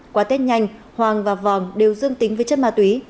qua tết nhanh hoàng và vòng đều dương tính với chất ma túy